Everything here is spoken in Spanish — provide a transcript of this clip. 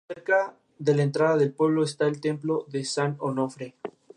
Sus principales influencias musicales incluyen a Thelonious Monk, King Oliver y Derek Bailey.